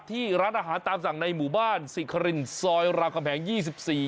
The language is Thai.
ที่ร้านอาหารตามสั่งในหมู่บ้านสิครินซอยรามคำแหง๒๔